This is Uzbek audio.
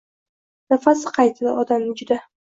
Nafasi qaytadi odamni juda.